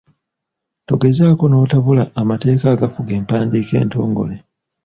Togezaako n'otabula amateeka agafuga empandiika entongole.